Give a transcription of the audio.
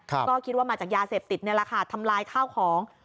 ก็คิดว่ามาจากยาเสพติดนี่แหละค่ะทำลายข้าวของ